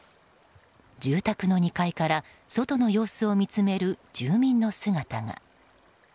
住宅の２階から外の様子を見つめる住民の姿が。